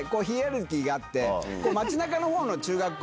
街中のほうの中学校。